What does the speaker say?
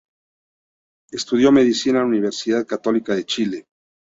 Estudió medicina en la Universidad Católica de Chile.